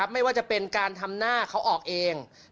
ไม่ว่าจะเป็นการทำหน้าเขาออกเอง